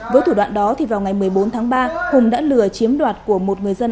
với thủ đoạn đó thì vào ngày một mươi bốn tháng ba hùng đã lừa chiếm đoạt của một người dân